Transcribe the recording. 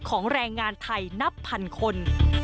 แรงงานไทยนับพันคน